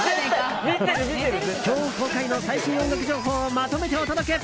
今日公開の最新音楽情報をまとめてお届け。